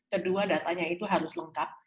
kedua datanya itu harus lengkap